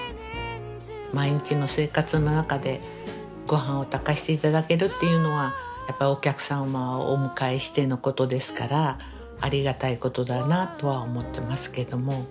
毎日の生活の中でごはんを炊かして頂けるっていうのはやっぱりお客様をお迎えしてのことですからありがたいことだなとは思ってますけども。